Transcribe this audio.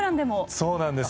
そうなんです。